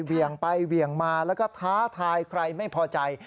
เหวี่ยงไปเหวี่ยงมาแล้วก็ท้าทายใครไม่พอใจ